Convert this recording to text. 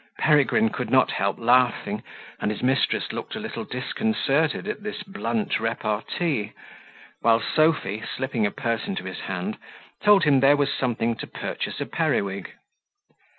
Peregrine could not help laughing, and his mistress looked a little disconcerted at this blunt repartee: while Sophy, slipping a purse into his hand, told him there was something to purchase a periwig.